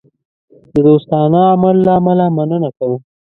د دوستانه عمل له امله مننه کوم.